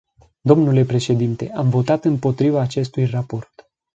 Dle președinte, am votat împotriva acestui raport.